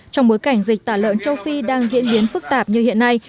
trong bối cảnh dịch tả lợn châu phi đang diễn biến phức tạp như hiện nay